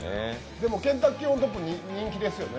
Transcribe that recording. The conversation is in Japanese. でも、ケンタッキーＯｎＴｏｐ、人気ですよね？